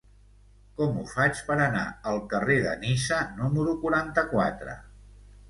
Com ho faig per anar al carrer de Niça número quaranta-quatre?